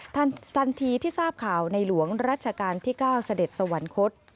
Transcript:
ทันทีที่ทราบข่าวในหลวงรัชกาลที่๙เสด็จสวรรคต